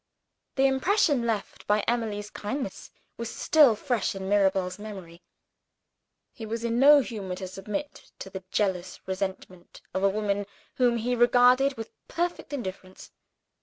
The impression left by Emily's kindness was still fresh in Mirabel's memory: he was in no humor to submit to the jealous resentment of a woman whom he regarded with perfect indifference.